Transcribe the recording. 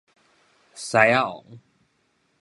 獅仔王